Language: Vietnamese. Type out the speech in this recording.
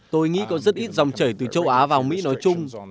tôi nghĩ có rất ít dòng trở lại từ châu á vào mỹ nói chung